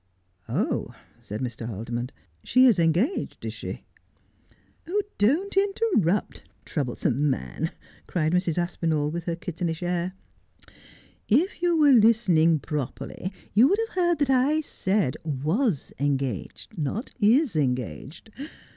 ' Oh,' said Mr. Haldimond, ' she is engaged, is she 1 '' Don't interrupt, troublesome man,' cried Mrs. Aspinall, with her kittenish air. ' If you were listening properly you would have heard that I said was engaged, not is engaged.